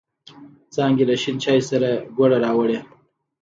څانگې له شین چای سره گوړه راوړې.